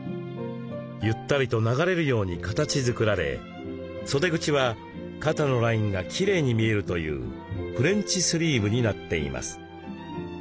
ゆったりと流れるように形づくられ袖口は肩のラインがきれいに見えるというフレンチスリーブになっています。